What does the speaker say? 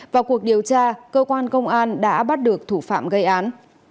vào cuộc điều tra cơ quan công an đã bắt được thủ phạm gây án